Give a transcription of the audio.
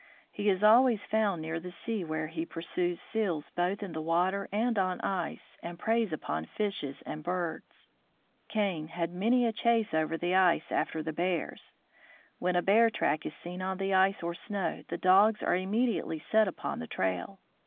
He is always found near the sea, where he pursues seals both in the water and on ice, and preys upon fishes and birds. Kane had many a chase over the ice after the bears. When a bear track is seen on the ice or snow, the dogs are immediately set upon the trail.